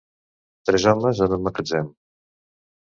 tres homes en un magatzem.